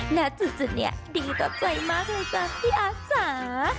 นาจุนเนี่ยดีต่อใจมากเลยจ้ะพี่อาจ่า